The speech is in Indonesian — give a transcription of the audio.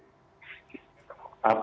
jadi kita harus mengawal